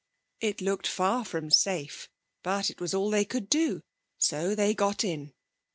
It looked far from safe, but it was all they could do. So they got in.